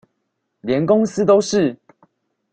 連公司都是？